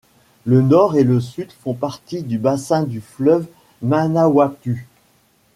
Le nord et le sud font partie du bassin du fleuve Manawatu.